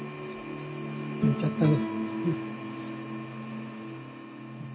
寝ちゃったね。